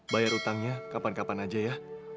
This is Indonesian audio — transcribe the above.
bayar utangnya kapan kapan aja ya